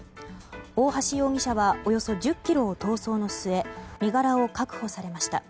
オオハシ容疑者はおよそ１０ｋｍを逃走の末身柄を確保されました。